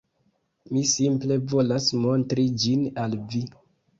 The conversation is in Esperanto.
Mi simple volas montri ĝin al vi